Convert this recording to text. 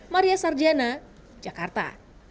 maria sarjana jakarta